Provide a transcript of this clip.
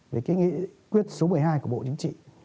với cái nghĩa quyết số một mươi hai của bộ chính trị